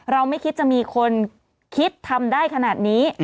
ไม่คิดจะมีคนคิดทำได้ขนาดนี้